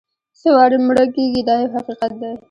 څو واره مړه کېږي دا یو حقیقت دی.